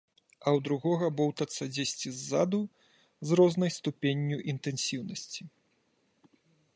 А ў другога боўтацца дзесьці ззаду з рознай ступенню інтэнсіўнасці.